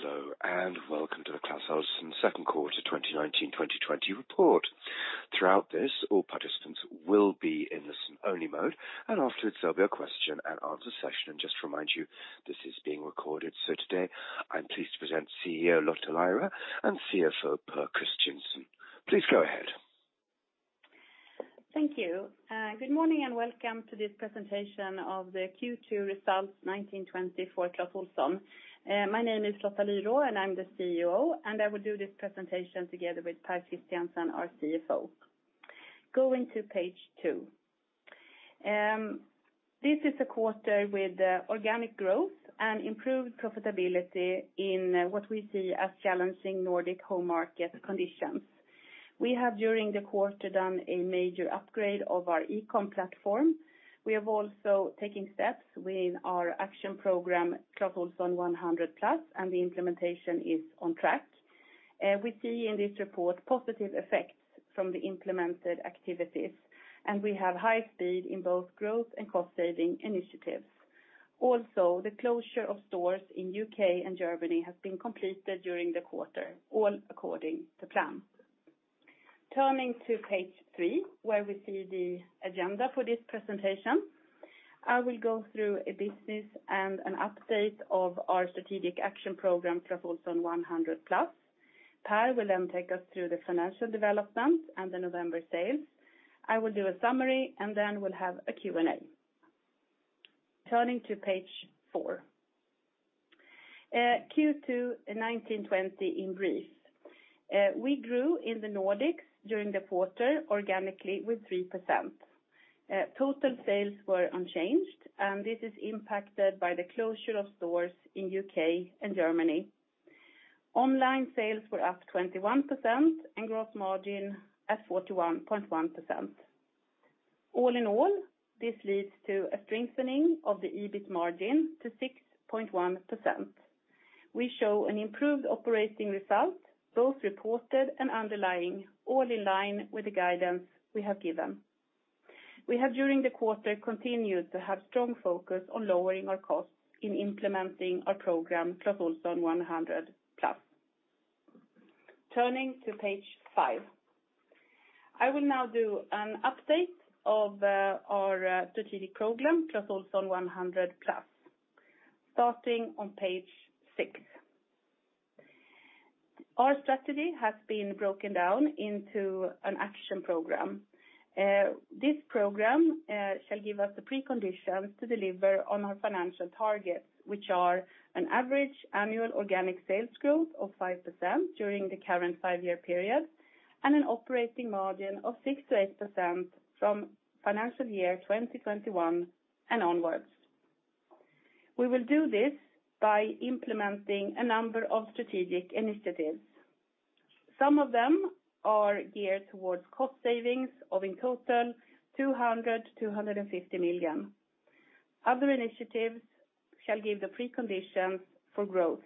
Hello, and welcome to the Clas Ohlson second quarter 2019, 2020 report. Throughout this, all participants will be in listen only mode, and afterwards there'll be a question and answer session. Just to remind you, this is being recorded. Today I'm pleased to present CEO Lotta Lyrå and CFO Pär Christiansen. Please go ahead. Thank you. Good morning, and welcome to this presentation of the Q2 results 1920 for Clas Ohlson. My name is Lotta Lyrå, and I'm the CEO, and I will do this presentation together with Pär Christiansen, our CFO. Going to page 2. This is a quarter with organic growth and improved profitability in what we see as challenging Nordic home market conditions. We have, during the quarter, done a major upgrade of our eCom platform. We have also taken steps within our action program, Clas Ohlson 100+, and the implementation is on track. We see in this report positive effects from the implemented activities, and we have high speed in both growth and cost saving initiatives. The closure of stores in UK and Germany has been completed during the quarter, all according to plan. Turning to page 3, where we see the agenda for this presentation. I will go through a business and an update of our strategic action program, Clas Ohlson 100+. Per will take us through the financial development and the November sales. I will do a summary. We'll have a Q&A. Turning to page 4. Q2 2019-2020 in brief. We grew in the Nordics during the quarter organically with 3%. Total sales were unchanged. This is impacted by the closure of stores in U.K. and Germany. Online sales were up 21%. Gross margin at 41.1%. All in all, this leads to a strengthening of the EBIT margin to 6.1%. We show an improved operating result, both reported and underlying, all in line with the guidance we have given. We have, during the quarter, continued to have strong focus on lowering our costs in implementing our program, Clas Ohlson 100+. Turning to page 5. I will now do an update of our strategic program, Clas Ohlson 100+. Starting on page 6. Our strategy has been broken down into an action program. This program shall give us the preconditions to deliver on our financial targets, which are an average annual organic sales growth of 5% during the current five-year period, and an operating margin of 6%-8% from financial year 2021 and onwards. We will do this by implementing a number of strategic initiatives. Some of them are geared towards cost savings of, in total, 200 million-250 million. Other initiatives shall give the preconditions for growth.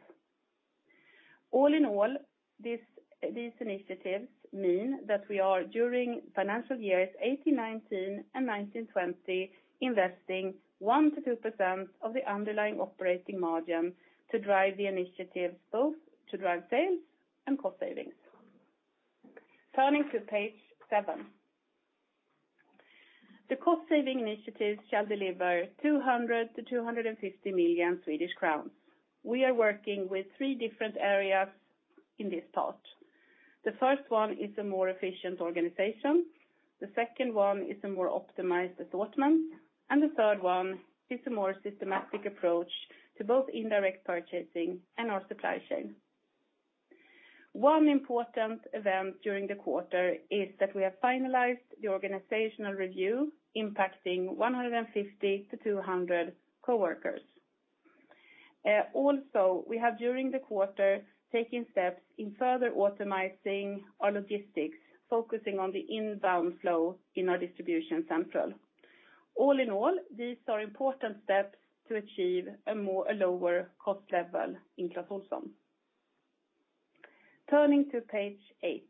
All in all, these initiatives mean that we are, during financial years 2018-2019 and 2019-2020, investing 1%-2% of the underlying operating margin to drive the initiatives, both to drive sales and cost savings. Turning to page 7. The cost saving initiatives shall deliver 200 million-250 million Swedish crowns. We are working with 3 different areas in this part. The first one is a more efficient organization, the second one is a more optimized assortment, and the third one is a more systematic approach to both indirect purchasing and our supply chain. One important event during the quarter is that we have finalized the organizational review impacting 150-200 coworkers. Also, we have during the quarter, taken steps in further optimizing our logistics, focusing on the inbound flow in our distribution central. All in all, these are important steps to achieve a lower cost level in Clas Ohlson. Turning to page 8.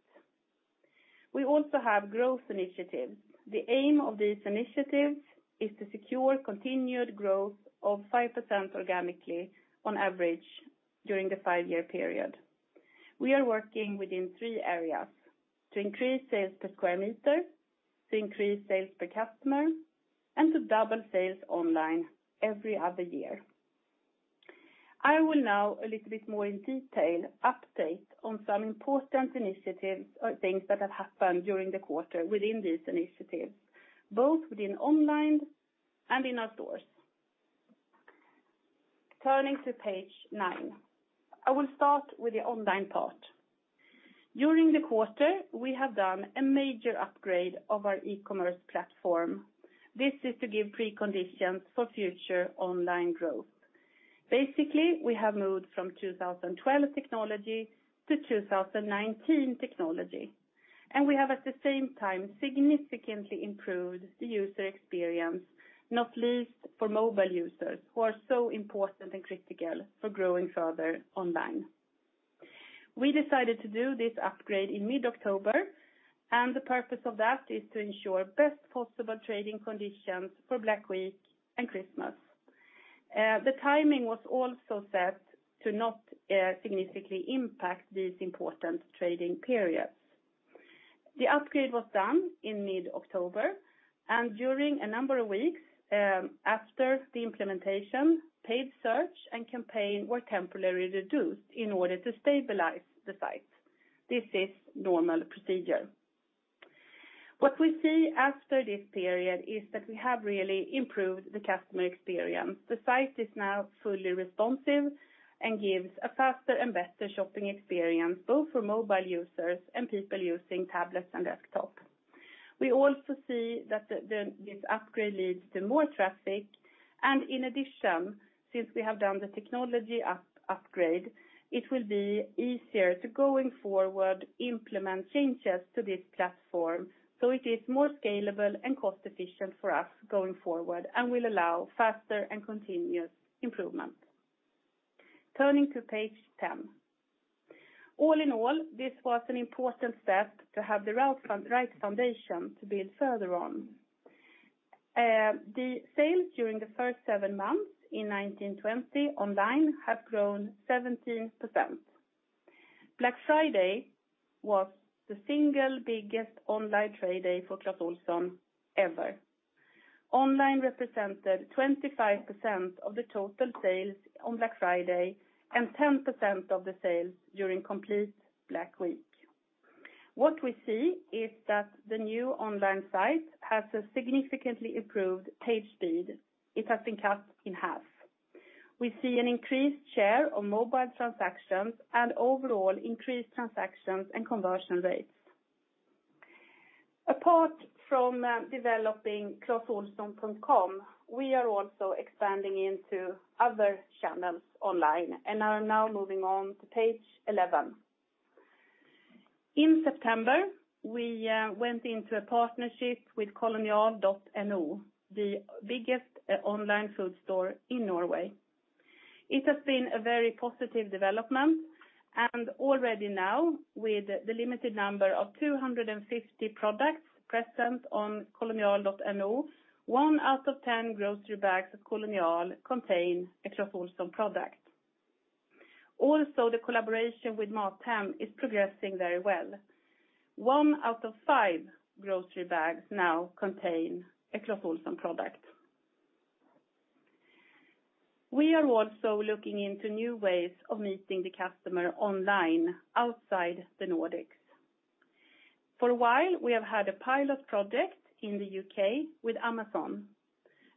We also have growth initiatives. The aim of these initiatives is to secure continued growth of 5% organically on average during the 5-year period. We are working within 3 areas: to increase sales per square meter, to increase sales per customer, and to double sales online every other year. I will now, a little bit more in detail, update on some important initiatives or things that have happened during the quarter within these initiatives, both within online and in our stores. Turning to page 9. I will start with the online part. During the quarter, we have done a major upgrade of our eCommerce platform. This is to give preconditions for future online growth. Basically, we have moved from 2012 technology to 2019 technology, and we have, at the same time, significantly improved the user experience, not least for mobile users, who are so important and critical for growing further online. We decided to do this upgrade in mid-October. The purpose of that is to ensure best possible trading conditions for Black Week and Christmas. The timing was also set to not significantly impact these important trading periods. The upgrade was done in mid-October. During a number of weeks, after the implementation, paid search and campaign were temporarily reduced in order to stabilize the site. This is normal procedure. What we see after this period is that we have really improved the customer experience. The site is now fully responsive and gives a faster and better shopping experience, both for mobile users and people using tablets and desktop. We also see that this upgrade leads to more traffic, and in addition, since we have done the technology upgrade, it will be easier to, going forward, implement changes to this platform, so it is more scalable and cost efficient for us going forward and will allow faster and continuous improvement. Turning to page 10. All in all, this was an important step to have the right foundation to build further on. The sales during the first seven months in 2019-2020 online have grown 17%. Black Friday was the single biggest online trade day for Clas Ohlson ever. Online represented 25% of the total sales on Black Friday and 10% of the sales during complete Black Week. What we see is that the new online site has a significantly improved page speed. It has been cut in half. We see an increased share of mobile transactions and overall increased transactions and conversion rates. Apart from developing clasohlson.com, we are also expanding into other channels online and are now moving on to page 11. In September, we went into a partnership with Kolonial.no, the biggest online food store in Norway. It has been a very positive development and already now, with the limited number of 250 products present on Kolonial.no, 1 out of 10 grocery bags at Kolonial contain a Clas Ohlson product. Also, the collaboration with MatHem is progressing very well. 1 out of 5 grocery bags now contain a Clas Ohlson product. We are also looking into new ways of meeting the customer online outside the Nordics. For a while, we have had a pilot project in the U.K. with Amazon.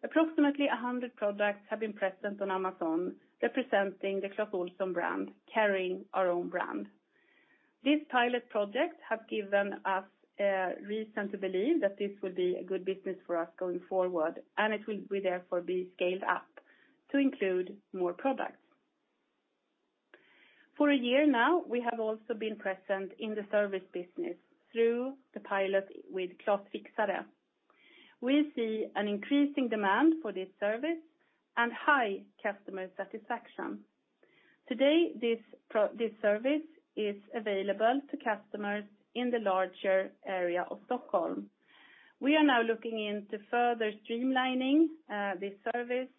Approximately 100 products have been present on Amazon, representing the Clas Ohlson brand, carrying our own brand. This pilot project has given us reason to believe that this will be a good business for us going forward, and it will be therefore be scaled up to include more products. For 1 year now, we have also been present in the service business through the pilot with Clas Fixare. We see an increasing demand for this service and high customer satisfaction. Today, this service is available to customers in the larger area of Stockholm. We are now looking into further streamlining this service,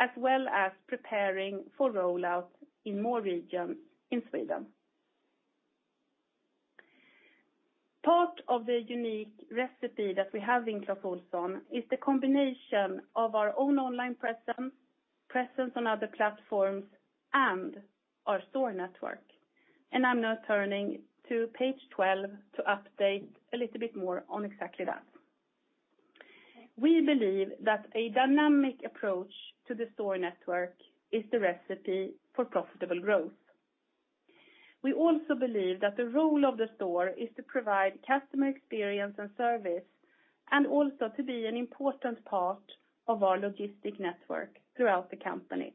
as well as preparing for rollout in more regions in Sweden. Part of the unique recipe that we have in Clas Ohlson is the combination of our own online presence on other platforms, and our store network. I'm now turning to page 12 to update a little bit more on exactly that. We believe that a dynamic approach to the store network is the recipe for profitable growth. We also believe that the role of the store is to provide customer experience and service, also to be an important part of our logistic network throughout the company.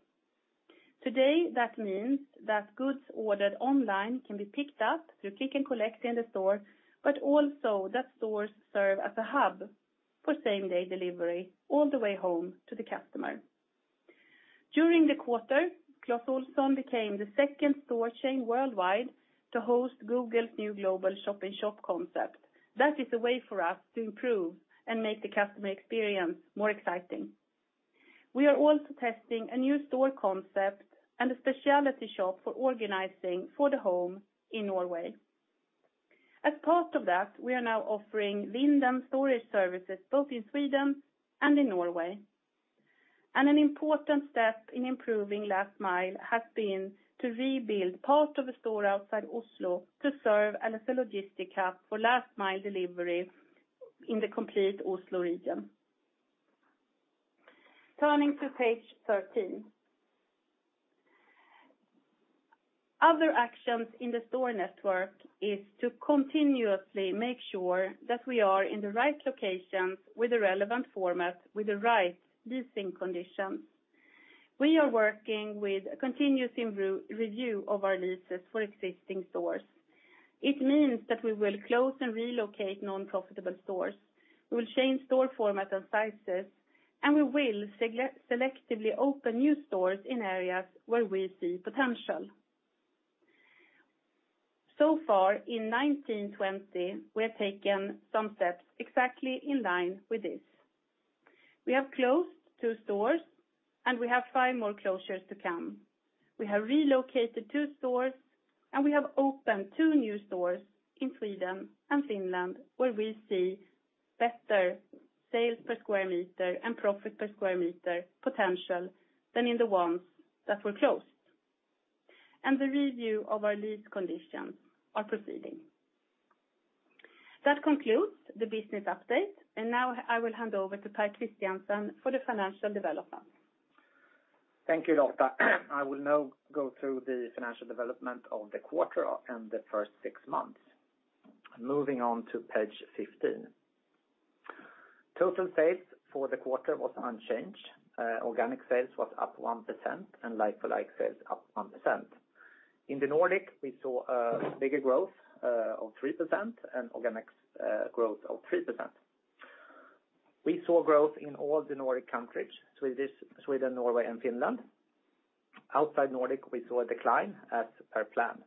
Today, that means that goods ordered online can be picked up through Click & Collect in the store, also that stores serve as a hub for same-day delivery all the way home to the customer. During the quarter, Clas Ohlson became the second store chain worldwide to host Google's new global shop-in-shop concept. That is a way for us to improve and make the customer experience more exciting. We are also testing a new store concept and a specialty shop for organizing for the home in Norway. As part of that, we are now offering Vinden storage services both in Sweden and in Norway. An important step in improving last mile has been to rebuild part of a store outside Oslo to serve as a logistic hub for last mile delivery in the complete Oslo region. Turning to page 13. Other actions in the store network is to continuously make sure that we are in the right locations with the relevant format with the right leasing conditions. We are working with a continuous re-review of our leases for existing stores. It means that we will close and relocate non-profitable stores. We will change store format and sizes. We will selectively open new stores in areas where we see potential. Far in 2019-2020, we have taken some steps exactly in line with this. We have closed 2 stores and we have 5 more closures to come. We have relocated 2 stores and we have opened 2 new stores in Sweden and Finland, where we see better sales per square meter and profit per square meter potential than in the ones that were closed. The review of our lease conditions are proceeding. That concludes the business update. Now I will hand over to Pär Christiansen for the financial development. Thank you, Lotta. I will now go through the financial development of the quarter and the first 6 months. Moving on to page 15. Total sales for the quarter was unchanged. Organic sales was up 1% and like-for-like sales up 1%. In the Nordic, we saw a bigger growth of 3% and organic growth of 3%. We saw growth in all the Nordic countries, so it is Sweden, Norway, and Finland. Outside Nordic, we saw a decline as per plan.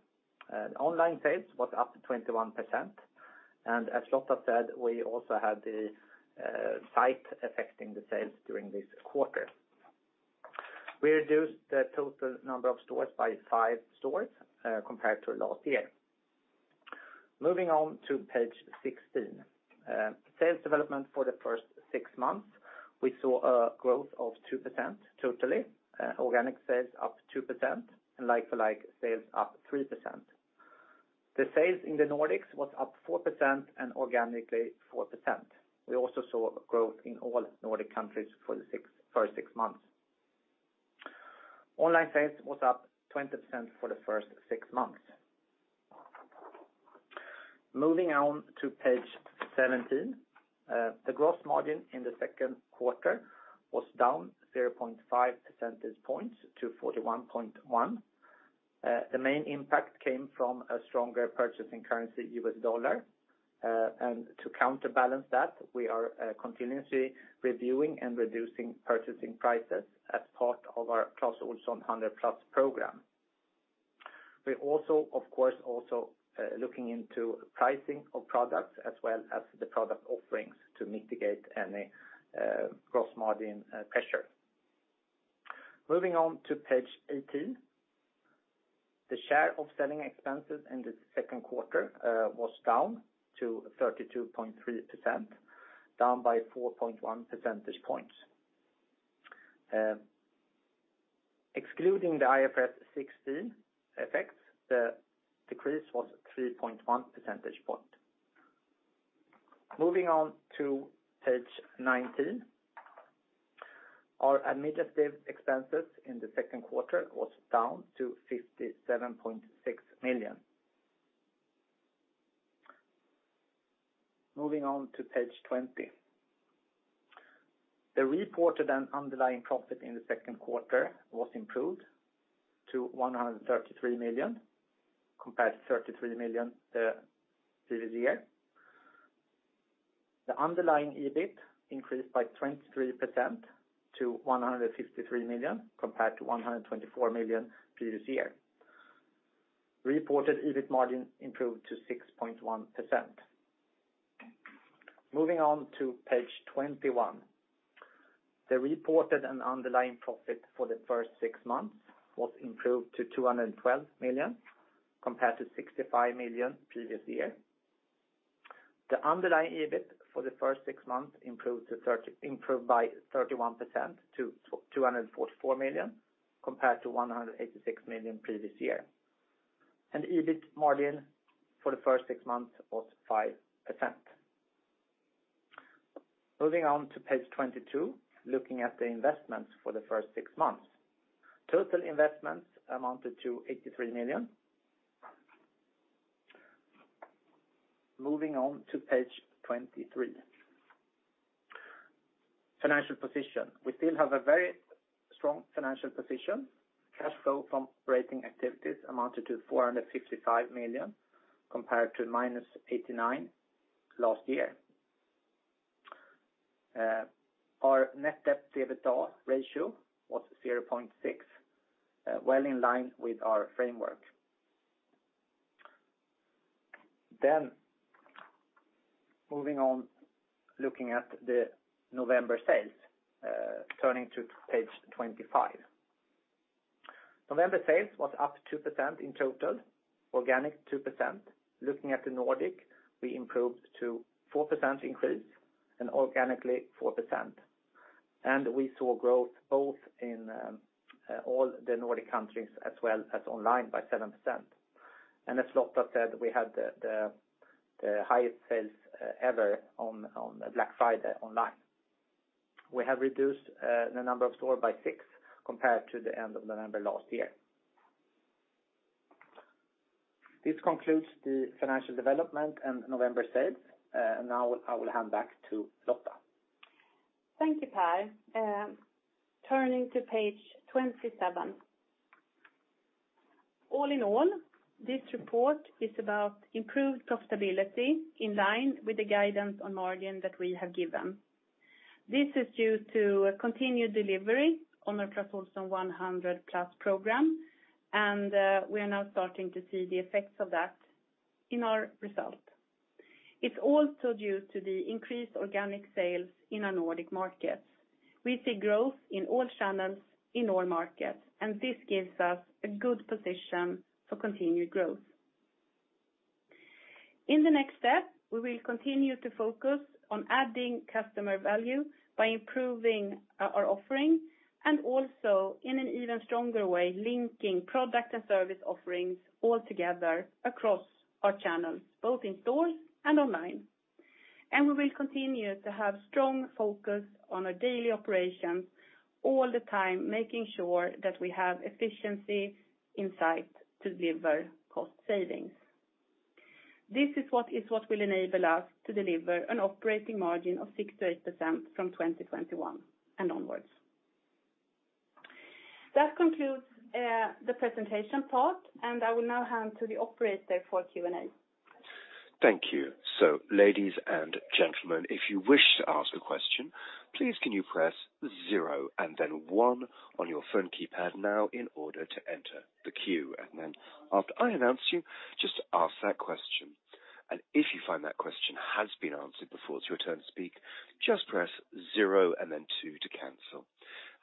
Online sales was up 21%. As Lotta said, we also had the site affecting the sales during this quarter. We reduced the total number of stores by 5 stores compared to last year. Moving on to page 16. Sales development for the first 6 months, we saw a growth of 2% totally. Organic sales up 2% and like-for-like sales up 3%. The sales in the Nordics was up 4% and organically 4%. We also saw growth in all Nordic countries for 6 months. Online sales was up 20% for the first 6 months. Moving on to page 17. The gross margin in the second quarter was down 0.5 percentage points to 41.1. The main impact came from a stronger purchasing currency, US dollar. To counterbalance that, we are continuously reviewing and reducing purchasing prices as part of our Clas Ohlson 100+ program. We're of course, also looking into pricing of products as well as the product offerings to mitigate any gross margin pressure. Moving on to page 18. The share of selling expenses in the second quarter was down to 32.3%, down by 4.1 percentage points. Excluding the IFRS 16 effects, the decrease was 3.1 percentage point. Moving on to page 19. Our administrative expenses in the second quarter was down to 57.6 million. Moving on to page 20. The reported and underlying profit in the second quarter was improved to 133 million compared to 33 million the previous year. The underlying EBIT increased by 23% to 153 million compared to 124 million previous year. Reported EBIT margin improved to 6.1%. Moving on to page 21. The reported and underlying profit for the first six months was improved to 212 million compared to 65 million previous year. The underlying EBIT for the first six months improved by 31% to 244 million compared to 186 million previous year. EBIT margin for the first six months was 5%. Moving on to page 22, looking at the investments for the first six months. Total investments amounted to 83 million. Moving on to page 23. Financial position. We still have a very strong financial position. Cash flow from operating activities amounted to 455 million compared to -89 million last year. Our net debt to EBITDA ratio was 0.6, well in line with our framework. Moving on, looking at the November sales, turning to page 25. November sales was up 2% in total, organic 2%. Looking at the Nordic, we improved to 4% increase and organically 4%. We saw growth both in all the Nordic countries as well as online by 7%. As Lotta said, we had the highest sales ever on Black Friday online. We have reduced the number of store by six compared to the end of November last year. This concludes the financial development and November sales. Now I will hand back to Lotta. Thank you, Per. Turning to page 27. All in all, this report is about improved profitability in line with the guidance on margin that we have given. This is due to a continued delivery on our Clas Ohlson 100+ program, and we are now starting to see the effects of that in our result. It's also due to the increased organic sales in our Nordic markets. We see growth in all channels, in all markets, and this gives us a good position for continued growth. In the next step, we will continue to focus on adding customer value by improving our offering, and also in an even stronger way, linking product and service offerings all together across our channels, both in stores and online. We will continue to have strong focus on our daily operations all the time, making sure that we have efficiency in sight to deliver cost savings. This is what will enable us to deliver an operating margin of 6%-8% from 2021 and onwards. That concludes the presentation part, and I will now hand to the operator for Q&A. Thank you. Ladies and gentlemen, if you wish to ask a question, please can you press 0 and then 1 on your phone keypad now in order to enter the queue. After I announce you, just ask that question. If you find that question has been answered before it's your turn to speak, just press 0 and then 2 to cancel.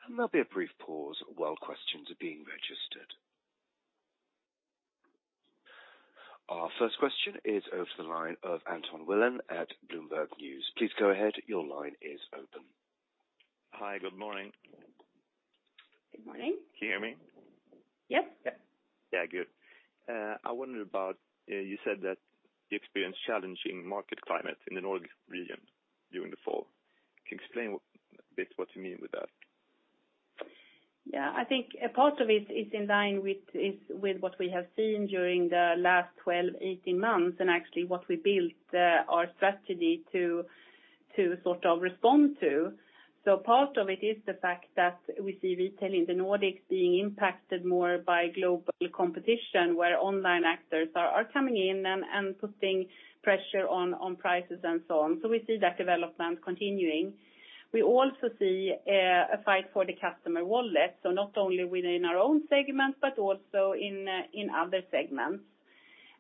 There'll be a brief pause while questions are being registered. Our first question is over the line of Anton Wilén at Bloomberg News. Please go ahead, your line is open. Hi, good morning. Good morning. Can you hear me? Yes. Yeah. Yeah, good. I wondered about, you said that you experienced challenging market climate in the Nordic region during the fall. Can you explain what you mean with that? I think a part of it is in line with what we have seen during the last 12, 18 months, and actually what we built our strategy to sort of respond to. Part of it is the fact that we see retail in the Nordics being impacted more by global competition, where online actors are coming in and putting pressure on prices and so on. We see that development continuing. We also see a fight for the customer wallet, not only within our own segment, but also in other segments.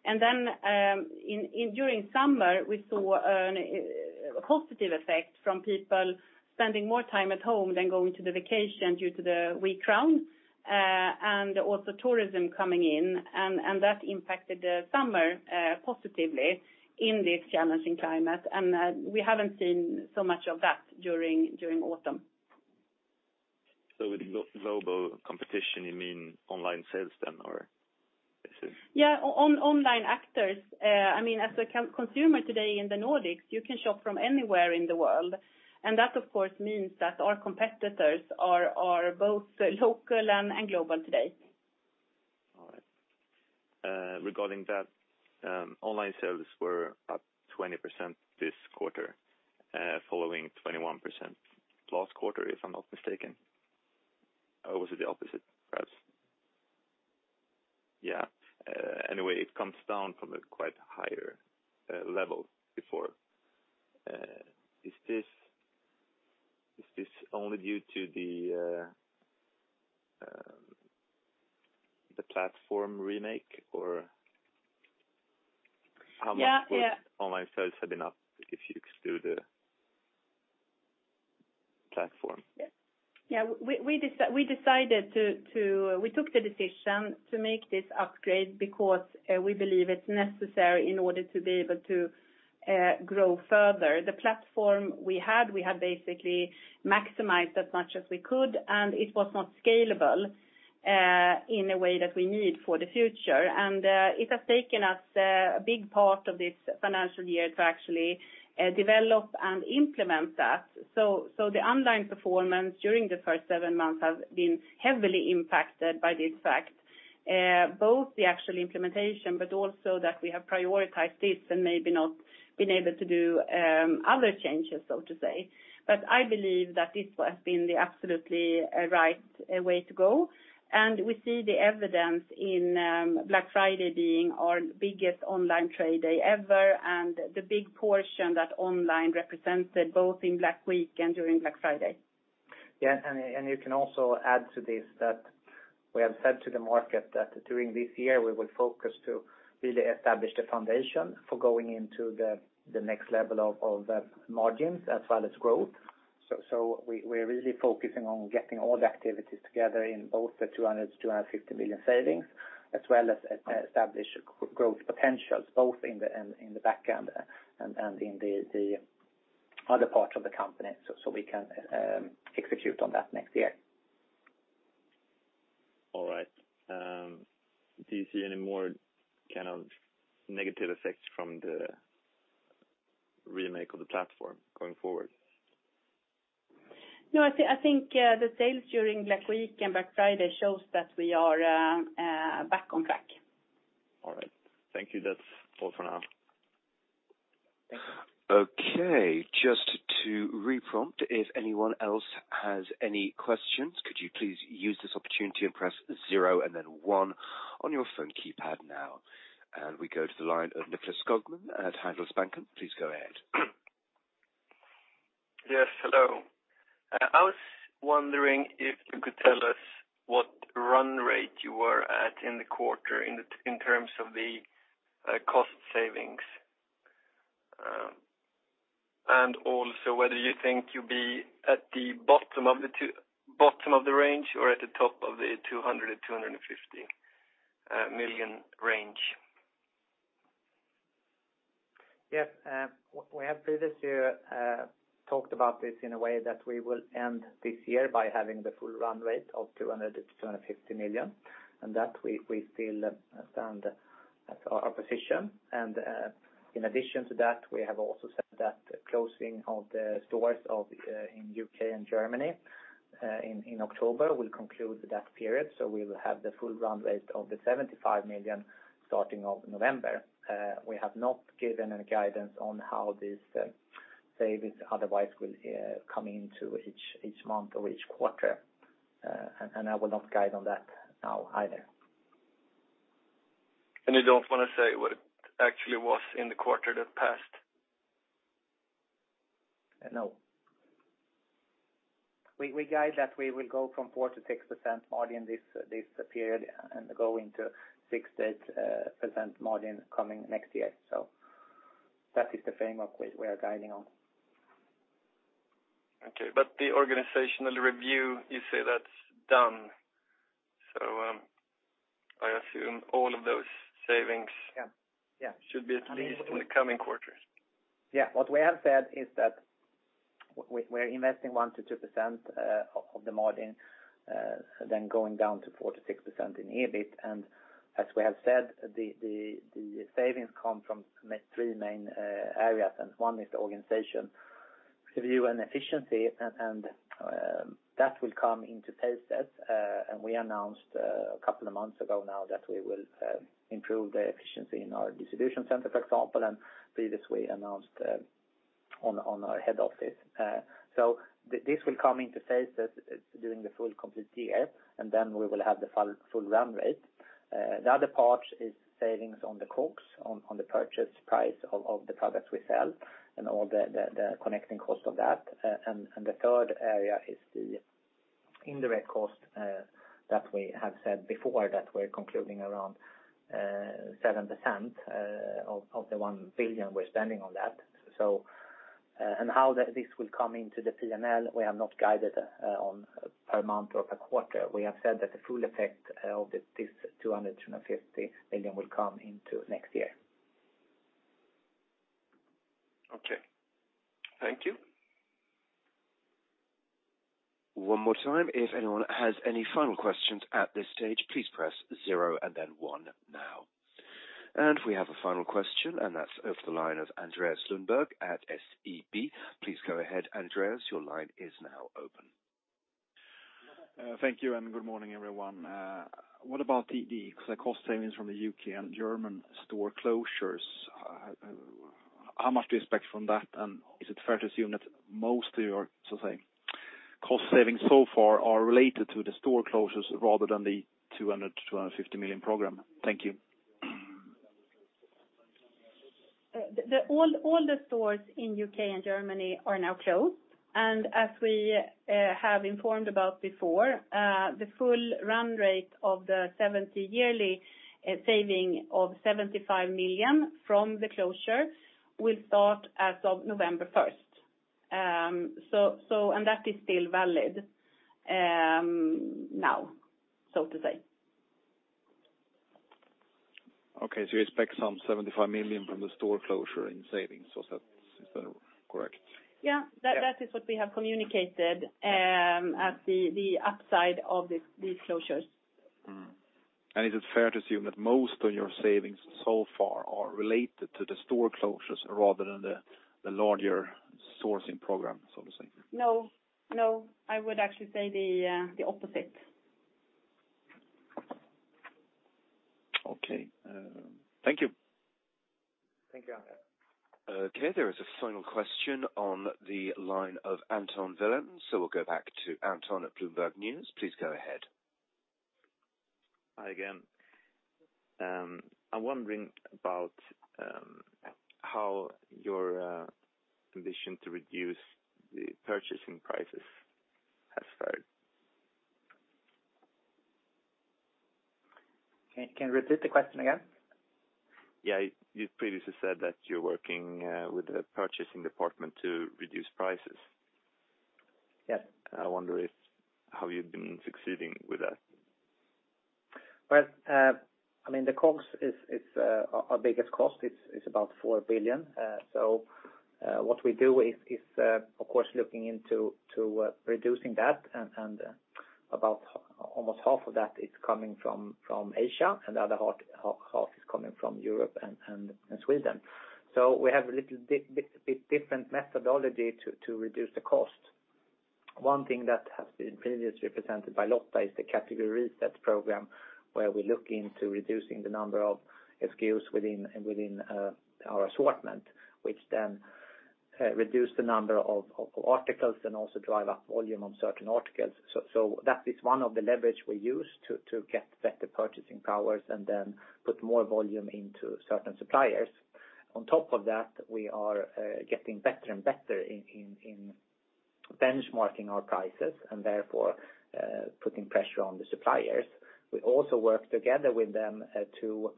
Then, in during summer, we saw a positive effect from people spending more time at home than going to the vacation due to the weak crown, and also tourism coming in, that impacted the summer positively in this challenging climate. We haven't seen so much of that during autumn. With global competition, you mean online sales then, or is it? Yeah, online actors. I mean, as a consumer today in the Nordics, you can shop from anywhere in the world. That, of course, means that our competitors are both local and global today. All right. regarding that, online sales were up 20% this quarter, following 21% last quarter, if I'm not mistaken. Was it the opposite, perhaps? anyway, it comes down from a quite higher, level before. is this only due to the platform remake or how much. Yeah. Yeah. Would online sales have been up if you exclude the platform? Yeah. We took the decision to make this upgrade because we believe it's necessary in order to be able to grow further. The platform we had basically maximized as much as we could, and it was not scalable in a way that we need for the future. It has taken us a big part of this financial year to actually develop and implement that. The online performance during the first 7 months has been heavily impacted by this fact. Both the actual implementation, but also that we have prioritized this and maybe not been able to do other changes, so to say. I believe that this has been the absolutely right way to go. We see the evidence in Black Friday being our biggest online trade day ever and the big portion that online represented both in Black Week and during Black Friday. You can also add to this that we have said to the market that during this year, we will focus to really establish the foundation for going into the next level of margins as well as growth. We're really focusing on getting all the activities together in both the 200 million-250 million savings, as well as establish growth potentials, both in the background and in the other parts of the company, so we can execute on that next year. All right. Do you see any more, kind of negative effects from the remake of the platform going forward? No, I think, the sales during Black Week and Black Friday shows that we are back on track. Thank you. That's all for now. Okay. Just to re-prompt, if anyone else has any questions, could you please use this opportunity and press 0 and then 1 on your phone keypad now. We go to the line of Nicklas Skogman at Handelsbanken. Please go ahead. Yes, hello. I was wondering if you could tell us what run rate you were at in the quarter in terms of the cost savings, also whether you think you'll be at the bottom of the bottom of the range or at the top of the 200 million-250 million range? Yes. We have previous year talked about this in a way that we will end this year by having the full run rate of 200 million-250 million, and that we still stand at our position. In addition to that, we have also said that closing of the stores of in U.K. and Germany in October will conclude that period, so we will have the full run rate of the 75 million starting of November. We have not given any guidance on how this savings otherwise will come into each month or each quarter, and I will not guide on that now either. You don't want to say what it actually was in the quarter that passed? No. We guide that we will go from 4%-6% margin this period and go into 6% to percent margin coming next year. That is the framework we are guiding on. Okay. The organizational review, you say that's done. I assume all of those savings- Yeah. Yeah. Should be at least in the coming quarters. Yeah. What we have said is that we're investing 1%-2% of the margin, then going down to 4%-6% in EBIT. As we have said, the savings come from 3 main areas, and one is the organization review and efficiency and that will come into phases. We announced a couple of months ago now that we will improve the efficiency in our distribution center, for example, and previous we announced on our head office. This will come into phases during the full complete year, and then we will have the full run rate. The other part is savings on the COGS, on the purchase price of the products we sell and all the connecting cost of that. The third area is the indirect cost that we have said before that we're concluding around 7% of the 1 billion we're spending on that. How this will come into the P&L, we have not guided on per month or per quarter. We have said that the full effect of this SEK 200 million, 250 million will come into next year. Okay. Thank you. One more time, if anyone has any final questions at this stage, please press 0 and then 1 now. We have a final question, and that's of the line of Andreas Lundberg at SEB. Please go ahead, Andreas. Your line is now open. Thank you, and good morning, everyone. What about the cost savings from the U.K. and German store closures? How much do you expect from that? Is it fair to assume that most of your, so say, cost savings so far are related to the store closures rather than the 200 million-250 million program? Thank you. All the stores in UK and Germany are now closed. As we have informed about before, the full run rate of the 70 yearly saving of 75 million from the closure will start as of November 1st. That is still valid now, so to say. Okay. You expect some 75 million from the store closure in savings, so that, is that correct? Yeah. That is what we have communicated, at the upside of these closures. Is it fair to assume that most of your savings so far are related to the store closures rather than the larger sourcing program, so to say? No, no. I would actually say the the opposite. Okay. Thank you. Thank you. Okay. There is a final question on the line of Anton Wilén. We'll go back to Anton at Bloomberg News. Please go ahead. Hi again. I'm wondering about how your condition to reduce the purchasing prices has fared? Can you repeat the question again? Yeah. You previously said that you're working with the purchasing department to reduce prices. Yes. I wonder if, how you've been succeeding with that. Well, I mean, the COGS is our biggest cost. It's about 4 billion. What we do is, of course, looking into reducing that and about almost half of that is coming from Asia, and the other half is coming from Europe and Sweden. We have a little bit different methodology to reduce the cost. One thing that has been previously presented by Lotta is the category reset program where we look into reducing the number of SKUs within our assortment, which then reduce the number of articles and also drive up volume on certain articles. That is one of the leverage we use to get better purchasing powers and then put more volume into certain suppliers. On top of that, we are getting better and better in benchmarking our prices and therefore, putting pressure on the suppliers. We also work together with them, to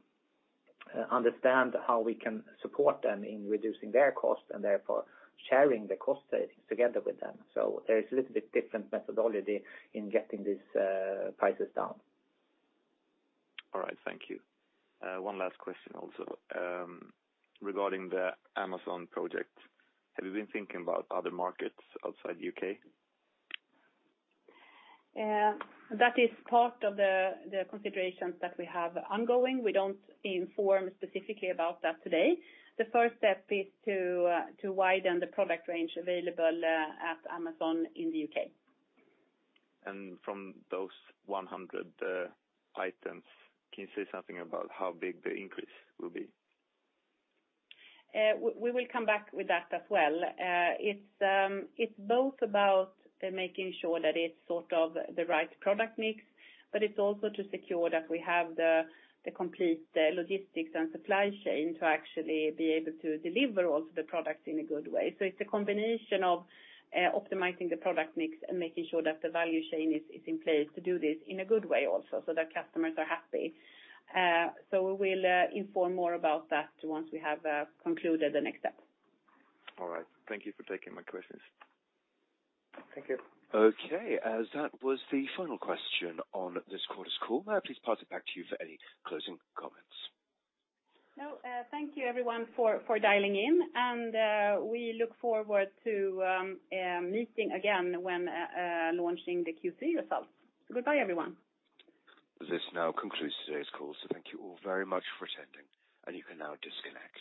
understand how we can support them in reducing their costs and therefore sharing the cost savings together with them. There is a little bit different methodology in getting these prices down. All right. Thank you. one last question also, regarding the Amazon project. Have you been thinking about other markets outside U.K.? That is part of the considerations that we have ongoing. We don't inform specifically about that today. The first step is to to widen the product range available at Amazon in the UK. From those 100 items, can you say something about how big the increase will be? We will come back with that as well. It's both about making sure that it's sort of the right product mix, but it's also to secure that we have the complete logistics and supply chain to actually be able to deliver all of the products in a good way. It's a combination of optimizing the product mix and making sure that the value chain is in place to do this in a good way also so that customers are happy. We will inform more about that once we have concluded the next step. All right. Thank you for taking my questions. Thank you. That was the final question on this quarter's call. May I please pass it back to you for any closing comments? Thank you everyone for dialing in and, we look forward to meeting again when launching the Q3 results. Goodbye everyone. This now concludes today's call. Thank you all very much for attending and you can now disconnect.